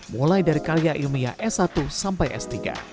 mulai dari karya ilmiah s satu sampai s tiga